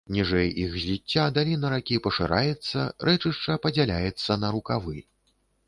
Ніжэй іх зліцця даліна ракі пашыраецца, рэчышча падзяляецца на рукавы.